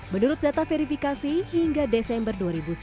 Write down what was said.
menurut data verifikasi hingga desember dua ribu sembilan belas